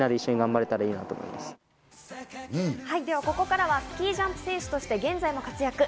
ここからはスキージャンプ選手として現在も活躍。